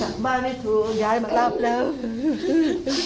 จากบ้านไม่ถูกนายมารับแล้วไปหน่อย